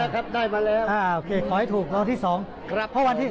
ขอให้ถูกทางวันที่๒